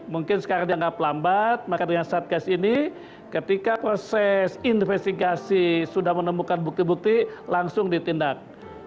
mungkin sekarang dianggap lambat maka dengan satgas ini ketika proses investigasi sudah menemukan bukti bukti langsung ditindak